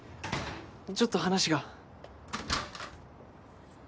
ちょっと話が。